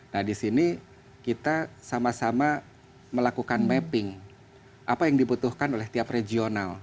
nah di sini kita sama sama melakukan mapping apa yang dibutuhkan oleh tiap regional